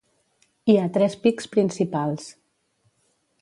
Hi ha tres pics principals.